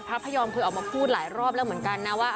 พระพยอมเคยออกมาพูดหลายรอบแล้วเหมือนกันนะว่า